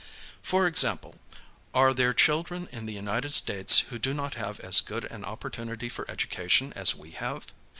For example, "Are there children in the United States who do not have as good an opportunity for education as we have?"